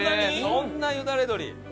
そんなよだれ鶏。